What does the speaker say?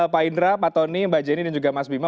pak indra pak tony mbak jenny dan juga mas bima